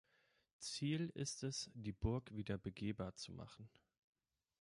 Ziel ist es, die Burg wieder begehbar zu machen.